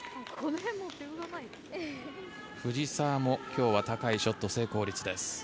藤澤もきょうは高いショット成功率です。